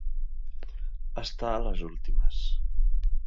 Estar a les últimes.